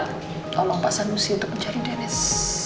tolong pak sanusi untuk mencari deniz